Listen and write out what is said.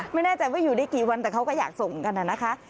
ไม่แน่ใจว่าอยู่ได้กี่วันแต่เขาก็อยากส่งกันนะคะ